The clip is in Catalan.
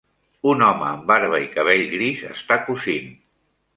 Un home amb barba i cabell gris està cosint.